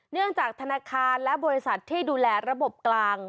เนื่องจากธนาคารและบริษัทที่ดูแลระบบกลาง